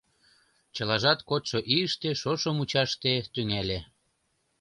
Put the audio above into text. Чылажат кодшо ийыште, шошо мучаште, тӱҥале.